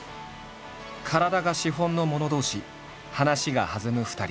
体が資本の者同士話が弾む２人。